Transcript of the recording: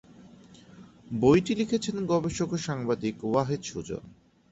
বইটি লিখেছেন গবেষক ও সাংবাদিক ওয়াহিদ সুজন।